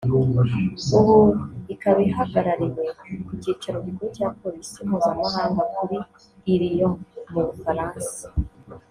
ubu ikaba ihagarariwe ku cyicaro gikuru cya Polisi mpuzamahanga kiri i Lyon mu Bufaransa